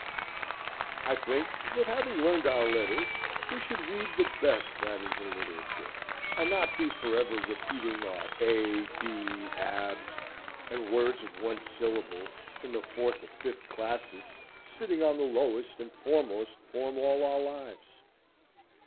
I think that having learned our letters we should read the best that is in literature, and not be forever repeating our a b abs, and words of one syllable, in the fourth or fifth classes, sitting on the lowest and foremost form all our lives.